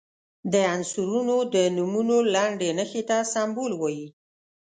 د عنصرونو د نومونو لنډي نښې ته سمبول وايي.